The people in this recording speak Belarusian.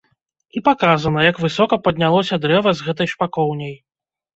І паказана, як высока паднялося дрэва з гэтай шпакоўняй.